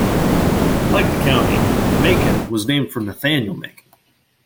Like the county, Macon was named for Nathaniel Macon.